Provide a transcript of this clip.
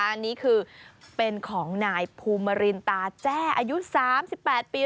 อันนี้คือเป็นของนายภูมิรินตาแจ้อายุ๓๘ปี